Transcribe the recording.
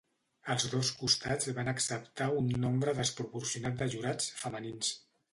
Els dos costats van acceptar un nombre desproporcionat de jurats femenins.